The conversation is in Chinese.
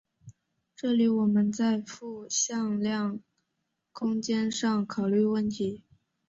这里我们在复向量空间上考虑问题。